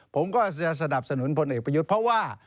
ผมก็จะสนับสนุนพลเอกประยุทธ์เพราะว่า